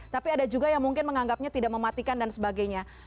tapi ada juga yang mungkin menganggapnya tidak mematikan dan sebagainya